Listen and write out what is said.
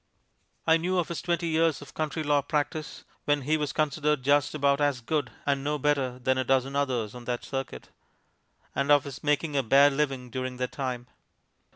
I knew of his twenty years of country law practise, when he was considered just about as good and no better than a dozen others on that circuit, and of his making a bare living during that time.